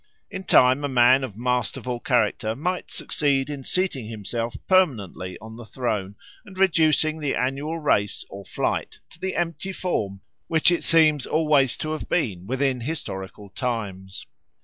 In time a man of masterful character might succeed in seating himself permanently on the throne and reducing the annual race or flight to the empty form which it seems always to have been within historical times.